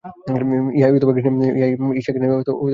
ইহাই ঈর্ষা ঘৃণা বিবাদ ও দ্বন্দ্বের মূল।